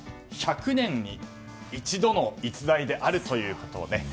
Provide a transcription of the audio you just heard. １００年に一度の逸材であるということで。